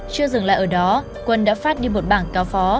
chưa dừng lại ở đó quân đã phát đi một bảng cáo phó